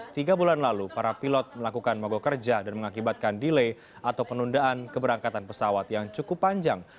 tiga bulan lalu para pilot melakukan mogok kerja dan mengakibatkan delay atau penundaan keberangkatan pesawat yang cukup panjang